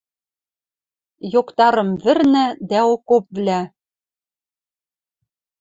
Йоктарым вӹрнӓ дӓ окопвлӓ